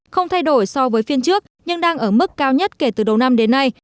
không thay đổi so với phiên trước nhưng đang ở mức cao nhất kể từ đầu năm đến nay